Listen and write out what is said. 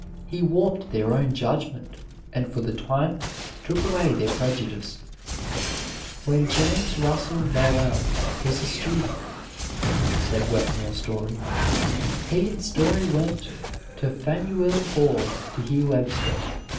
He warped their own judgment and for the time took away their prejudice. When James Russell Lowell was a student, said Wetmore Story, he and Story went to Faneuil Hall to hear Webster.